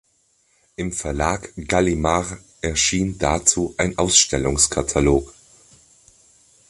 Im Verlag Gallimard erschien dazu ein Ausstellungskatalog.